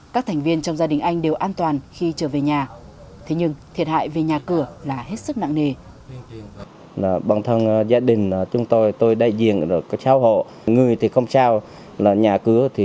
các thành viên trong gia đình anh đều an toàn khi trở về nhà thế nhưng thiệt hại về nhà cửa là hết sức nặng nề